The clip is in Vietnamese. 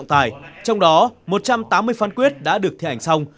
trong đó một trăm tám mươi phán quyết đã được thi hành xong